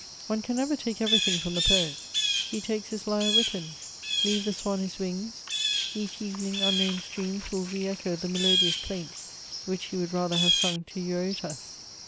One can never take everything from the poet: he takes his lyre with him. Leave the swan his wings; each evening unknown streams will re echo the melodious plaints which he would rather have sung to Eurotas.